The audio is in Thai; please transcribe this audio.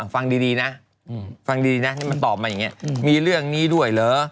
ฟังดีนะมันตอบมาอย่างนี้มีเรื่องนี้ด้วยเหรอ